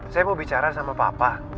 saya mau bicara sama papa